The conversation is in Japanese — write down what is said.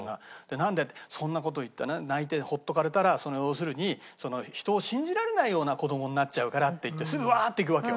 「なんで？」ってそんな事言ってね泣いてほっとかれたら要するに人を信じられないような子どもになっちゃうからっていってすぐワーッて行くわけよ。